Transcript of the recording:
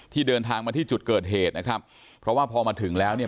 เดินทางมาที่จุดเกิดเหตุนะครับเพราะว่าพอมาถึงแล้วเนี่ย